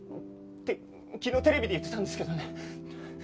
って昨日テレビで言ってたんですけどね。